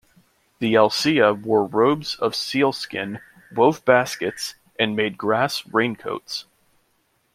The Alsea wore robes of seal skin, wove baskets and made grass raincoats.